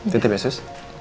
tetep ya sus